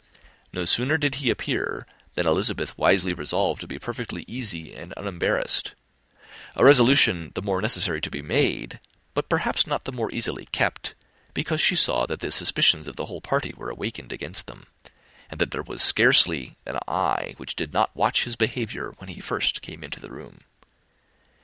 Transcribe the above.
No sooner did he appear, than Elizabeth wisely resolved to be perfectly easy and unembarrassed; a resolution the more necessary to be made, but perhaps not the more easily kept, because she saw that the suspicions of the whole party were awakened against them, and that there was scarcely an eye which did not watch his behaviour when he first came into the room.